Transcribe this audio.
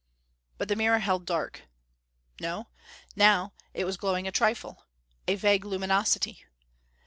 But the mirror held dark. No now it was glowing a trifle. A vague luminosity.